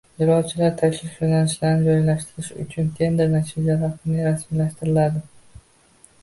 Yo‘lovchilar tashish yo‘nalishlarini joylashtirish uchun tender natijalari qanday rasmiylashtiriladi?